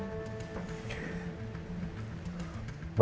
baik terimakasih yang mulia